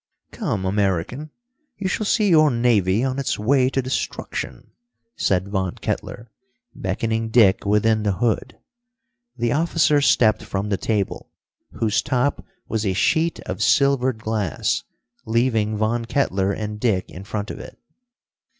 "Come, American, you shall see your navy on its way to destruction," said Von Kettler, beckoning Dick within the hood. The officer stepped from the table, whose top was a sheet of silvered glass, leaving Von Kettler and Dick in front of it.